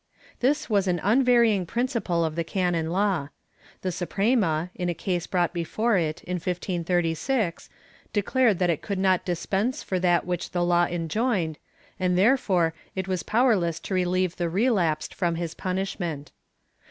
This was an unvarying principle of the canon law. The Suprema, in a case brought before it, in 1536, declared that it could not dispense for that which the law enjoined, and therefore it was powerless to relieve the relapsed from his punishment.